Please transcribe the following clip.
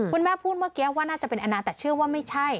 คุณแม่พูดเมื่อกี้ว่าน่าจะเป็นอนาแต่เชื่อว่าไม่ใช่